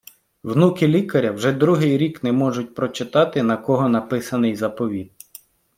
Внуки лікаря вже другий рік не можуть прочитати на кого написаний заповіт